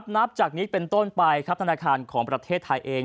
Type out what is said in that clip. นับจากนี้เป็นต้นไปครับธนาคารของประเทศไทยเอง